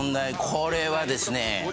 これはですね